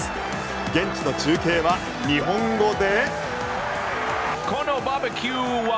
現地の中継は日本語で。